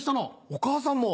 お母さんも。